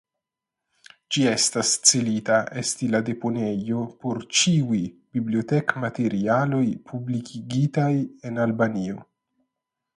Ĝi estas celita esti la deponejo por ĉiuj bibliotekmaterialoj publikigitaj en Albanio.